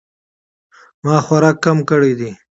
ما خوراک کم کړی دی